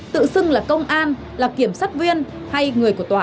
tự xưng là công an là kiểm sát viên hay người của tòa